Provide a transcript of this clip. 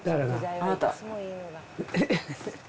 あなた。